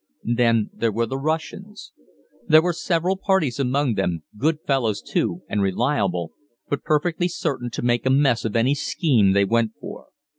Then there were the Russians. There were several parties among them, good fellows too and reliable, but perfectly certain to make a mess of any scheme they went for.